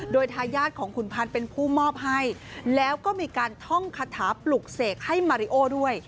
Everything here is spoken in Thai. โดยทายาทของขุนพันธ์เป็นผู้มอบให้แล้วก็มีการท่องคาถาปลุกเสกให้มาริโอด้วย